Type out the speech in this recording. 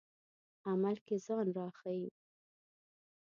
عمل کې ځان راښيي.